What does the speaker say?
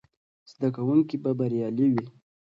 زده کوونکي به بریالي وي.